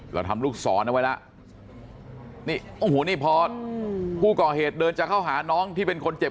เราทำลูกศรเอาไว้แล้วนี่โอ้โหนี่พอผู้ก่อเหตุเดินจะเข้าหาน้องที่เป็นคนเจ็บ